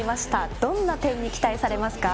どんな点に期待されますか？